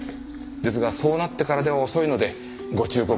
ですがそうなってからでは遅いのでご忠告に参りました。